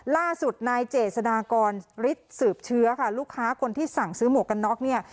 ล่าสุดนายเจษฎากรฤทธิ์สืบเชื้อค่ะลูกค้าคนที่สั่งซื้อหมวกกันน็อกเนี่ย